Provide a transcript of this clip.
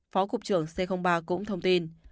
phó cục trưởng c ba cũng thông tin